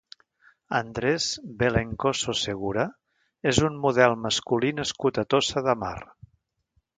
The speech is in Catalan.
Andrés Velencoso Segura és un model masculí nascut a Tossa de Mar.